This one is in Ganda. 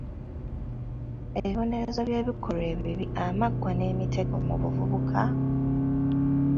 Ebibonerezo by’ebikolwa ebibi Amaggwa n’Emitego mu Buvubuka?